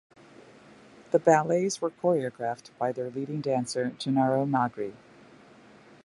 The ballets were choreographed by their leading dancer, Gennaro Magri.